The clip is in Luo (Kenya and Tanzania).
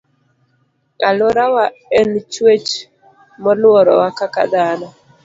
Aluorawa en chuech moluorowa kaka dhano